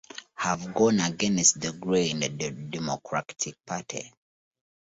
I've gone against the grain in the Democratic party.